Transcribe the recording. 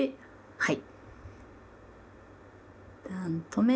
はい。